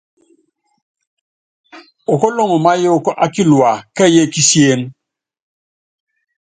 Okóloŋ máyɔɔ́k á kilua kɛ́ɛ́y é kisíén.